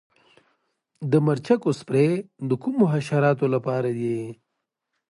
د مرچکو سپری د کومو حشراتو لپاره دی؟